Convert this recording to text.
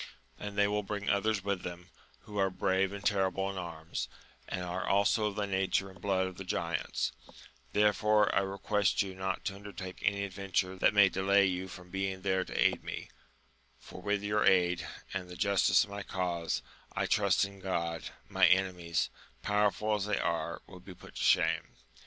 and they will bring others with them, who are brave and terrible in anns, and are also of the nature and blood of the giants : therefore, I request you not to undertake any adventure that may delay you from being there to aid me, for with your aid, and the justice of my cause, I trust in Q od, my enemies, power ful as they are, will be put to shame.